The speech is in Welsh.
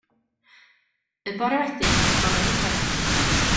Y bore wedyn fe agorodd y ffenest.